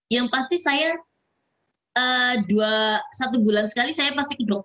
yang pasti saya satu bulan sekali saya pasti ke dokter